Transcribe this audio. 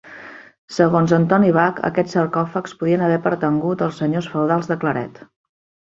Segons Antoni Bach, aquests sarcòfags podien haver pertangut als senyors feudals de Claret.